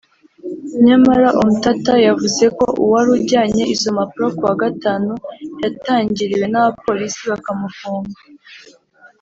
nyamara Omtatah yavuze ko uwari ujyanye izo mpapuro ku wa Gatanu yatangiriwe n’abapolisi bakamufunga